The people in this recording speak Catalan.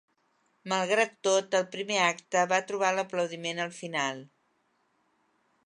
Malgrat tot, el primer acte va trobar l'aplaudiment al final.